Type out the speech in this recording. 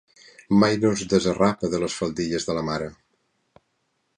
Mai no es desarrapa de les faldilles de la mare.